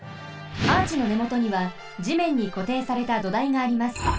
アーチのねもとにはじめんにこていされた土台があります。